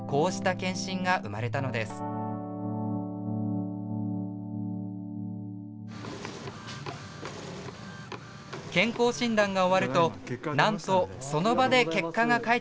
健康診断が終わるとなんとその場で結果が返ってきます。